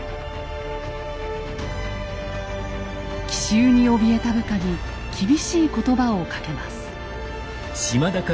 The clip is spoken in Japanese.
奇襲におびえた部下に厳しい言葉をかけます。